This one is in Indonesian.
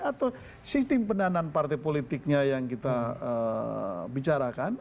atau sistem pendanaan partai politiknya yang kita bicarakan